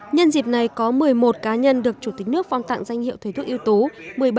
nhân dịp này có một mươi một cá nhân được chủ tịch nước phong tặng danh hiệu thuê thuốc yếu tố